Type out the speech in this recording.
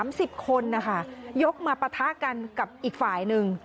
สิบคนนะคะยกมาปะทะกันกับอีกฝ่ายหนึ่ง